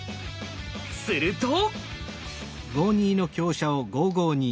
すると。